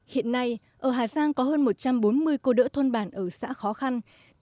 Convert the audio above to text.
hiện nay ở hà giang có hơn một trăm bốn mươi cô đỡ thôn bản ở xã khó khăn